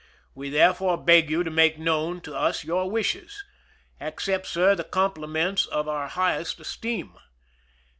We therefore beg you to make known to us your wishes. Accept, sir, the compliments of our highest esteem.